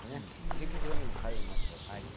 劇場にも通いましたし。